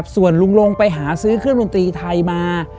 ส่วนลุงลงไปหาซื้อเครื่องดนตรีไทยมา